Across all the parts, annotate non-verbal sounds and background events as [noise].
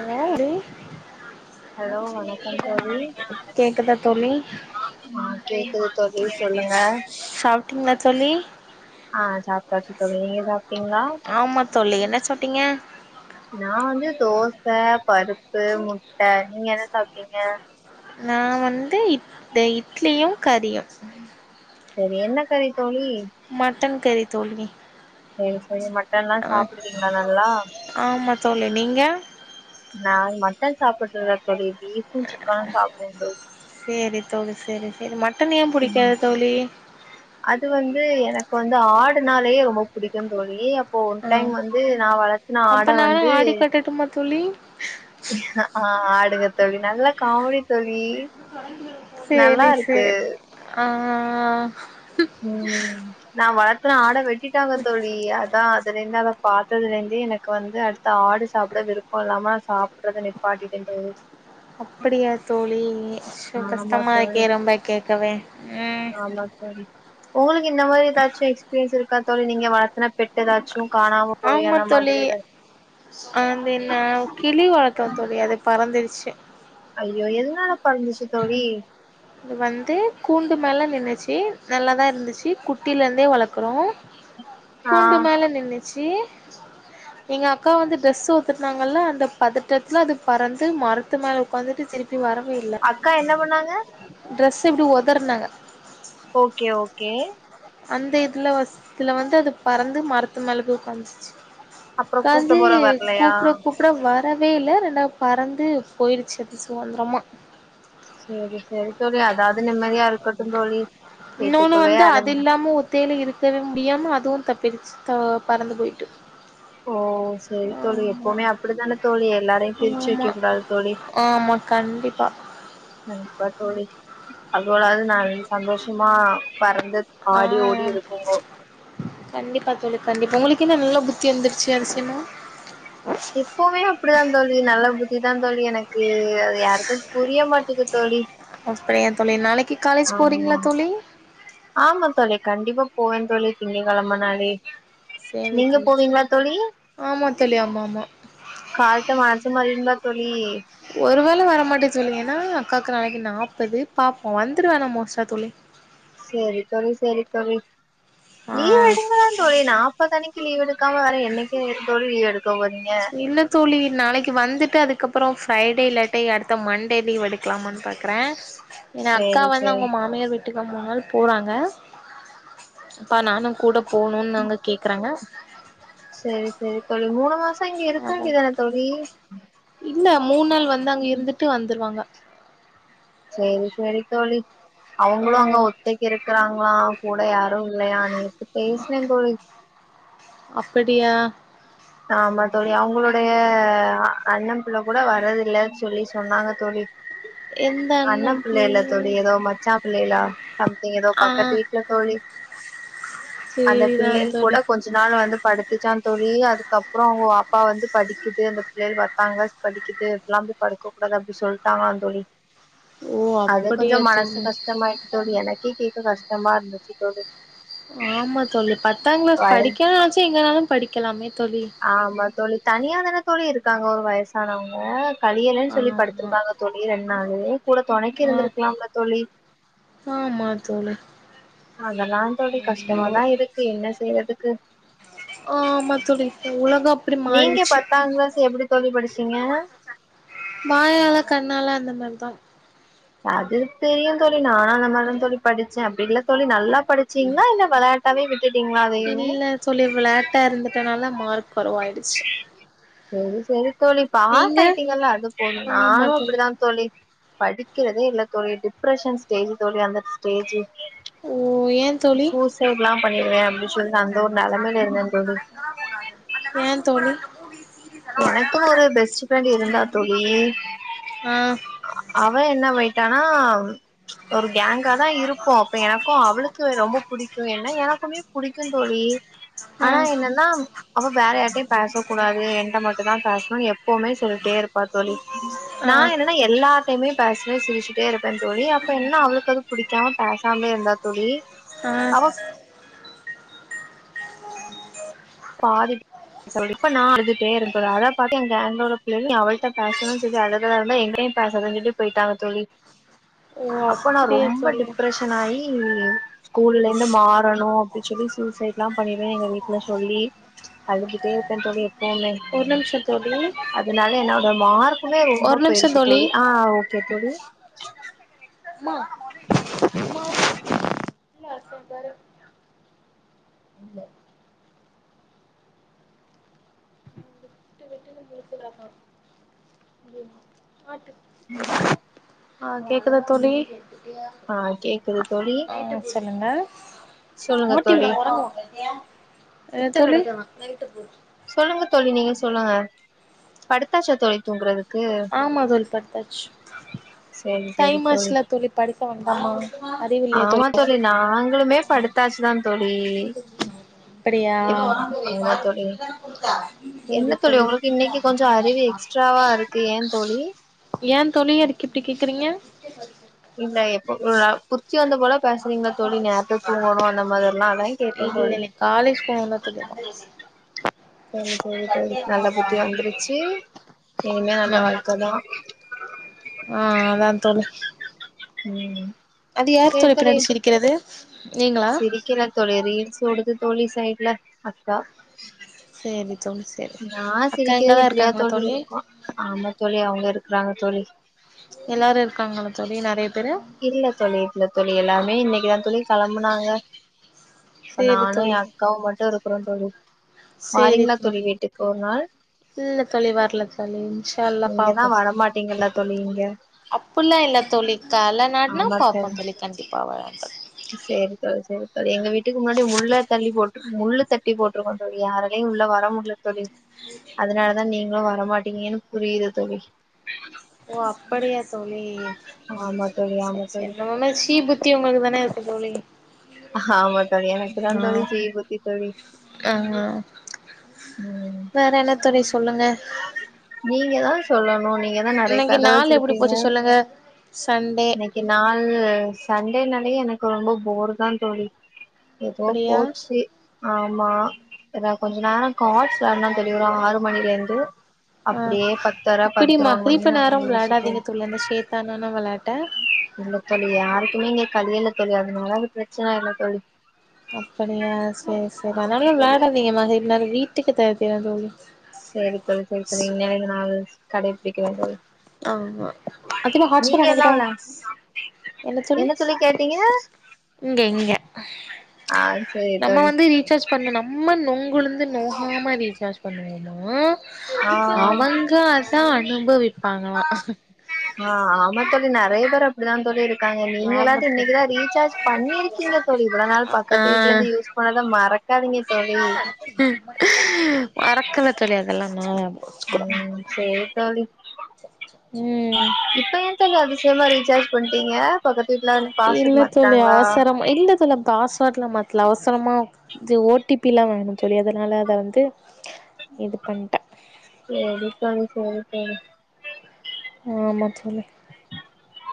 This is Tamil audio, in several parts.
அவ ஹலோ யாருடி ஹலோ வணக் தோழி கேக்குதா தோழி கேக்குது தோழி சொல்லுங்க சாப்பிட்டிங்களா தோழி ஆ சாப்பிட்டாச்சு தோழி நீங்க சாப்பிட்டீங்களா ஆமா தோழி என்ன சாப்ட்டீங்க நா வந்து தோசை பருப்பு முட்டை நீங்க என்ன சாப்பிட்டீங்க நான் வந்து இத இட்லியும் கறியும் சேரி என்ன கறி தோழி மட்டன் கறி தோழி சேரி சேரி மட்டன்ல்லா ஆ சாப்பிடுவீங்களா நல்லா ஆமா தோழி நீங்க நான் மட்டன் சாப்பிட்டுறதுல்ல தோழி பீஃபும் சிக்கனும் சாப்பிடுவே தோழி சேரி தோழி சேரி சேரி மட்டன் ஏன் ம் புடிக்காது தோழி அது வந்து எனக்கு வந்து ஆடுனாலே ரொம்ப பிடிக்கும் தோழி அப்போ ஒரு ஆ டைம் வந்து நான் வளத்த ஆ அப்ப நா வேனா ஆடிகாட்டட்டுமா தோழி ம். ஆடுங்க தோழி நல்ல காமெடி தோழி நல்லா சேரி இருக்கு சேரி ஆ ஆ ஆ ம் நான் வளத்துன ஆட வெட்டிட்டாங்க தோழி அதா அதன் அதுலயிருந்துதா பாத்ததுலருந்தே எனக்கு வந்து அடுத்து ஆடு சாப்பிட விருப்ப இல்லாம நான் சாப்பிடட்றத நிப்பாட்டிட்டேன் தோழி அப்படியா தோழி அய்யோ ஆமா தோழி கஷ்டமாருக்குது ரொம்ப கேட்கவே ம் ஆமா தோழி உங்களுக்கு இந்த மாரி ஏதாச்சி எக்ஸ்பீரியன்ஸ் இருக்கா தோழி நீங்க வளத்துன பெட் ஏதாச்சு காணாம போய் ஆமா அந்த தொழி மாதிரி ஏதாச்சு ஆந்தென்னவ் கிளி வளத்தோ தோழி அதெப் பறந்திருச்சே ஐயோ எதுனால பறந்துச்சு தோழி இது வந்து கூண்டு மேல நின்னுச்சி நல்லாதா இருந்துச்சி குட்டிலந்தே வளக்குறோ ஆ கூண்டு மேல நின்னுச்சி எங்க அக்கா வந்து ட்ரெஸ் ஒத்துர்ந்தாங்கல்ல அந்த பதட்டத்ல அது பறந்து மரத்து மேல உக்காந்துட்டு திருப் நி வரவே இல்ல அக்கா என்ன பண்ணாங்க ட்ரெஸ் இப்படி உதற்னாங்க ஓகே ஓகே அந்த இதுல வஸ்த்துல வந்து அது பறந்து மரத்து மேல போய் உக்காந்துச்சு அப்றோ கூப்ட்ட காந்து போற வரலையா கூப்ட கூப் ப்டோ வரவே இல ரெண்டாவ் பறந்து போய்ர்ச்சு அது சுவந்த்ரம்மா சரி சரி தோழி அதாது நிம்மதியா இருக்கட்டுன் தோழி வீட்டுக்குள்ளயே அடஞ்சி தேலு இருக்கவே முடியாம அதுவு தப்பிடுச்சி தா பறந்து போய்ட்டு ஓ சரி தோழி எப்புமே அப்படித்தான தோழி எல்லாரை பிரிச்சு விக்கக்கூடாது தோழி ஆ கண்டிப்பா கண்டிப்பா தோழி [unintelligible] சந்தோஷுமா பறந்துத் ஆ ஆடி ஓடி இருக்கும்போ கண்டிப்பா தோழி கண்டிப்பா உங்குளுக் என்ன நல்லா புத்தி வந்துர்ச்சி அதிசியமா எப்புமே அப்படிதான் தோழி நல்ல புத்தி தான் தோழி எனக்கு அது யாருக்கு புரிய மாட்டுது தோழி அப்படியா தோழி நாளைக்கி காலேஜ் போறீங்ளா ஆமா தோழி ஆமா தோழி கண்டிப்பா போவேன் தோழி திங்ககழம நாளே சேவை நீங்க தோழி போவீங்களா தோழி ஆமா தோழி ஆமாமா காட்டு வாசமா ருந்தா தோழி ஒரு வேள வரமாட்டே தோழி ஏன்னா அக்காக்கு நாளைக்கு நாப்பது பாப்போ வந்துருவே ஆனா மோஸ்ட்டா தோழி சேரி தோழி செரி தோழி லீவு ஆ எடுங்கலா தோழி நாப்பத் அணிக்கி லீவ் எடுக்காம வேற என்னிக்கு தோழி லீவ் எடுக் கொவன்ய துழி நாளைக்கு வந்துட்டு அதுக்கப்றோ ஃப்ரைடே இல்லாட்டி அடுத்த மண்டே லீவ் எடுக்லாமான் பாக்றே ஆஹ [inaudible] என் அக்கா செரி வந்து செரி அவங்க மாமியார் வீட்டுக்ல் மூண் நாள் போறாங்க அப்பா நானு கூடப் போணுன் அங்க கேக்குறாங்க சரி சரி தோழி மூணு மாச இங்க அதா இருக்கண்டிதான தோழி இல்ல மூண் நாள் வந்து அங் இருந்துட்டு வந்துருவாங்க சேரி சேரி தோழி அவுங்ளு அங்க ஆ ஒத்தைக் இருக்றாங்களா கூட யாரு இல்லையா நேத்து பேஸ்னே தோழி அப்படியா ஆமா தோழி அவங்களுடைய அ அண்ணன் பிள்ள கூட வரது இல்லன்னு சொல்லி சொன்னாங்க தோழி எந்த அண்ண அண்ணன் பிள்ள எல்லா தோழி எதோ மட் சா பிள்ளைலா சம்திங் எதோ ஆ பக்கத் வீட்ல தோழி அந்த சேரிதா பிள்ளைள் கூட தோழி கொஞ்சு நாள் வந்து படுத்துச்சா தோழி அது கப்றவ் ஆ அப்பா வந்து படிக்குது அந்த பிள்ளைள் பத்தாந்க்ளாஸ் படிக்குது இப்லாம்போய் படுக்கு அத் அப்டி சொல்ட்டாங்ளா தோழி ஓ அது அப்படியா கொஞ்சும் மனசு தோழி கஷ்டமாய் தோழி எனக்கே கேட்க கஷ்டமா இருந்துச்சு தோழி ஆமா தோழி பத்தா கிளாஸ் வயல் படிக்கனாச்சு எங்கனாலு படிக்கலாமே தோழி ஆமா தோழி தனியா தான தோழி இருக்காங்க ஒரு வயசானவங்க [unintelligible] இல்லன்னு சொல்லி ஆமா படுத்திருக்காங்க தோழிரெண்டு நாளு கூட தொணைக்கு ஆ இருந்திருக்கலாம்ல தோழி ஆமா தோழி அதெல்லா தோழி என்னவோ கஷ்டமாதா இருக்கு என்ன செய்யறதுக்கு ஆமா தோழி இந்த உலக நீங்க பத்தா கிளாஸ் எப்டி தோழி படிச்சீங்க வாயால கண்ணால அந்த மாரிதா அது தெரியும் தோழி நானு அந்த மாரி தா தோழி படிச் ச்ச அப்டி இல்ல தோழி நல்லா படிச்சீங்களா இல்ல வெளையாட்டாவே வி விட்டுடிங்களாவே இல்ல தோழி விளாட்டா இருந்துட்டனால மார்க் கொரவாயிடுச்சு செரி செரி தோழி பாஸ் நீங்க ஆயிட்டீங்கல்ல அது போதும் நானு அப்டிதா தோழி படிக்கிறதே இல்ல தோழி டிப்ரஷன் ஸ்டேஜ் தோழி அந்த ஸ்டேஜ் ஓ ஏ தோழி சூசைட் எல்லா பண்ணிடுவேன் அப்டின்னு சொல்லி அந்த ஒரு நெலைமையில இருந்தே தோழி ஏன் தோழி எனக்கு ஒரு பெஸ்ட் ப்ரெண்ட் இருந்தா தோழி ஆ அவ என்னவாயிட்டானா ஒரு கேங்கா தா இருப்போம் அப்ப எனக்கு அவளுக்கு ரொம்ப புடிக்கும் என்ன எனக்குமே புடிக்கும் தோழி ஆ ஆனா என்னன்னா அவ வேற யாரிட்டையு பேச கூடாது நீ என்ட்ட மட்டும் தா பேசணும் எப்பவுமே சொல்லிட்டே இருப்பா தோழி ஆ நா எ நா எல்லார்டையுமே பேசுவே சிரிச்சுட்டே இருப்பே தோழி அப்ப என்ன அவளுக்கு அது புடிக்காம பேசாமே இருந்தா தோழி அ அவ பாதிப் சொல்லி இப்ப நான் அழுதுட்டே இருக்றேன் அத பாத்து எ கேங்கோட புள்ள அவளிட்ட பேசனும்னு சொல்லி அழுரதா இருந்தா எங்க பேசாத சொல்லி போயிட்டாங்க தோழி [inaudible] அப்ப நா அப்டியா ரொம்ப தோழி டிப்ரஷ [unintelligible] ஆயி ஸ்கூல்ல இருந்து மாறணு அப்டின்னு சொல்லி சூசைட் எல்லா பண்ணிடுவே எங்க வீட்டுல சொல்லி அழுதுக்கிட்டே இருப்பே தோழி எப்பவுமே ஒரு நிமிஷோ தோழி அதனால என்னோட மார்க்குமே ஒரு ரொம்ப நிமிஷோ பெருசு தோழி அ அ ஒ [unintelligible] அம்மா [inaudible] [unintelligible] ஆட்டு [inaudible] அ கேக்குதா தோழி அ கேக்குது தோழி என்ன சொல்லுங்க சொல்லுங்க தோழி [unintelligible] என்ன தோழி சொல்லுங்க தோழி நீங்க சொல்லுங்க படுத்தாச்சா தோழி தூங்குறது ஆமா தோழி படுத்தாச்சு சரி சரி டைம் ஆச்சுல தோழி படுக்க வேண்டாமா அறிவில்லையா தோழி ஆமா தோழி நாங்களுமே படுத்தாச்சு தா தோழி அப்படியா எப் ஆமா தோழி சேரி என்ன தோழி உங்களுக்கு இன்னைக்கு கொஞ்சோ அறிவு எக்ஸ்ட்ராவா இருக்கு ஏ தோழி ஏந் தோழி அதுக்கு இப்டி கேக்குறீங்க [unintelligible] இல்ல எப்ப [unintelligible] ச்சி வந்த போல பேசறீங்ளா தோழி நேர்த்து தூங்கோணு அந்த மாரி எல்லா அதா கேட்டே இல்ல தோழி இல்ல காலேஜ் போவந்தா தோழி அதா செரி செரி தோழி நல்ல புத்தி வந்துருச்சி இனிமே நல்ல ஆமா வாழ்க்க தோழி தா ஆ அதாந் தோழி ம் அது யார் தோழி பின்னாடி சிரிக்கிறது நீங்களா சிரிக்கல தோழி ரீல்ஸ் ஓடுது தோழி சைட்ல அக்கா சேரி தோழி சேரி நா அக்கா சிரிக்கிறது இங்கதா இப்டியா இருக்காங்களா தோழி இருக்கு ஆமா தோழி அவுங்க இருக்குறாங்க தோழி எல்லாரு இருக்காங்களா தோழி நெறைய பேரு இல்ல தோழி இல்ல தோழி எல்லார்மே இன்னக்கிதா தோழி கெளம்புனாங்க இப்ப சேரி நானு எ தோழி அக்காவு மட்டு இருக்றோந் தோழி வாரீங்ளா தோழி வீட்டுக்கு ஒரு நாள் இல்ல தோழி வரல தோழி இன்ஷா அல்லாஹ் நீங்கதா பாப்போ வரமாட்டீங்கல்ல தோழி இங்க அப்பில்லா இல்ல தோழி கால்ல நாட்னா பாப்போந் தோழி கண்டிப்பா வரே தோ சேரி தோழி சேரி தோழி எங்க வீட்டுக்கு முன்னாடி முள்ள தள்ளி போட்டு முள்ளு தட்டி போட்ருக்கோ தோழி யாரலயு உள்ள வரமுட்ல்ல தோழி அதனால தா நீங்களு வரமாட்டீங்கன் புரியிது தோழி ஓ அப்படியா தோழி ஆமா தோழி ஆமா செரி செரி தோழி நம்ம மாரி சீ புத் தி உங்களுக்கு தான இருக்குந் தோழி ஆமா தோழி எனக்கு தா ஆ தோழி கீழ் புத்தி தோழி ஆ ம் வேற என்ன தோழி சொல்லுங்க நீங்க தா சொல்லணு நீங்க தா நெறைய இன்னைக்கு கத நாள் எப்டி வெச்சிருப்பீங்க போச்சு சொல்லுங்க சண்டே இ கின் நாள் சண்டேன்னாலே எனக்கு ரொம்ப போர் தாந் தோழி எதோ அப்படியா போச்சி ஆமா இதா கொஞ்ச நேரோ காட்ஸ் வெளாட்னோ தோழி ஒரு ஆறு மணிலேருந்து ஆ இப்பிடி மணி மக்ரிப்பு நேரோ ஆயிடுச்சு வெளாடதிங்க தோழி அந்த சேத்தானான வெளாட்ட இல்ல தோழி யாருக்குமே இங்க கலீல்ல தோழி அதனால அது பிரச்சன இல்ல தோழி அப்படியா செரி செரி ஆமா ஆனாலு தோழி வெளாடாதீங்க மக்ரிப் நேரோ வீட்டுக்கு [unintelligible] செரி தோழி செரி தோழி இன்னிமே நா அது கடைபிடிக்கிறேன் தோழி ஆமா அதிமா ஹாட்ஸ்பாட் நீங்க எல்லா அணைக்கிடா வெளாட் என்ன தோழி கேட்டீங்க இங்க இங்க ஆ சேரி நம்ம தோழி வந்து ரீசார்ஜ் பண்ணணு நம்ம நொங்குளுந்து நோ காம ரீசார்ஜ் பண்ணுவோமா ஆ அவுங்க அத் த அனுபவிப்பாங்களா ஆ ஆமா தோழி நெறைய பேர் அப்டிதாந் தோழி இருக் காங்க ஆமா நீங்களாது தோழி இன்னக்கி தா ரீசார்ஜ் பண்ணிருக்கீங்க தோழி இவ்ள நாள் ஆ பக்கத்து வீட்லருந்து யூஸ் பண்ணத மறக்காதீங்க தோழி ம் மறக்கல தோழி அதெல்லாம் நா யோசிக்கிறே ம் சேரி தோழி ம் இப்ப என் ப என்ன அதிசயமா ரீசார்ஜ் பண்ட்டீங்க பக்கத்து வீட்ல பாஸ்வேட் இல்ல தோழி மாத்ட்டாங்களா அவசரமா இல்ல தோழி பாஸ்வோட்லா மாத்தல அவசரமா இது ஓ டி பி ல்லா வேணு தோழி அதுனால அத வந்து இது பண்ட்டே சேரி தோழி சேரி தோழி ஆமா தோழி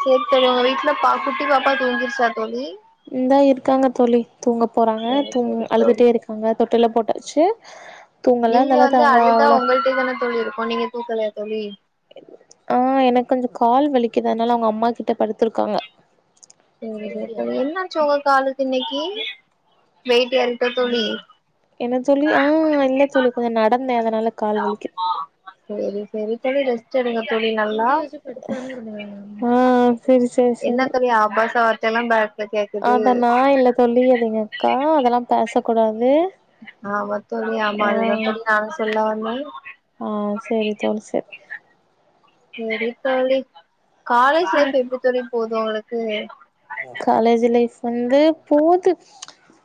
சேரி தோழி உங்க வீட்ல பா குட்டி பாப்பா தூங்கீர்ச்சா தோழி இந்தா இருக்காங்க தோழி தூங்கப் போறாங்க சேரி தூங் சேரி தோழி அழுதுட்டே இருக் காங்க தொட்டில்ல போட்டாச்சு தூங்கலா நீங்க நல்லது வந்து அவங்க அழுதா அவள உங்கள்ட்டயே தான தோழி இருக்கு நீங்க தூக்கலயா தோழி ஆ எனக் கொஞ்ச கால் வலிக்கிது அதுனால அவுங்க அம்மா கிட்ட படுத்திருக்காங்க சேரி சேரி தோழி என்னாச்சு உங்க காலுக் இன்னைக்கி வெய்ட் ஏறிட்டா தோழி என்ன தோழி ஆ இல்ல தோழி கொஞ்ச நடந்தே அதுனால கால் வலிக்கு சேரி சேரி தோழி ரெஸ்ட் எடுங்க தோழி நல்லா ஆ சேரி சேர் என்ன தோழி ஆபாச வார்த்தைலா பே அத நா இல்ல தோழி அது எங்க அக்கா அதெல்லா பேச கூடாது ஆமா தோழி ஆமா அதுதா தோழி நானு சொல்ல வந்தே சேர் சேரி தோழி காலேஜ் செரி லைஃப் எப்டி தோழி போது உங்ளுக்கு காலேஜ் லைஃப் வந்து போது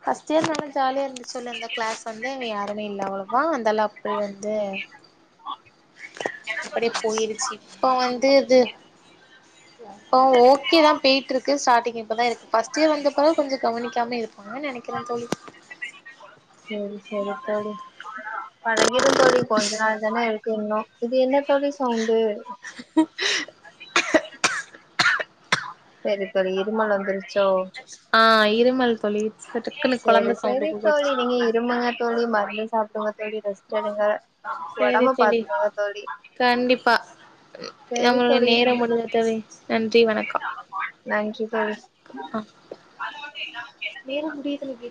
ஃபஸ்ட் இயர் நல்லா ஜாலியா இருந்து சொல் அந்த க்ளாஸ் வந்து அங்க யாருமே இல்ல அவ்ளவா அந்த லேப்ரியன் வந்து அப்படி போயிருச்சி இப்போ வந்து இது ஓ ஓகே தா பேய்ட்ருக் கு ஸ்டாட்டிங் இப்பதா எனக் ஃபஸ்ட் இயர் வந்தப்பதா கொஞ்சோ கவனிக்காம இருப்பாங்க நெனைக்கிறே தோழி சேரி சேரி தோழி பழகிடு தோழி கொஞ்சோ நாள் தான இரு க் இன்னு இது என்ன தோழி சவுண்டு செரி தோழி இருமல் வந்துரு ஆ இருமல் தோழி சட்டுக்குன்னு சேரி கொழந்த சேரி சவுண்டு தோழி போட்டுடுச்சு நீங்க இரும்புங்க தோழி மருந்து சாப்டுங்க தோழி ரெஸ்ட் எடுங்க சேரி ஒடம்ப தோழி பாத்துக்கோங்க தோழி கண்டிப்பா சேரி நம்மளுடைய தோழி நேரம் முடிந்தது தோழி நன்றி வணக்கம் நன்றி தோழி நேரோ முடியுதுல்ல கே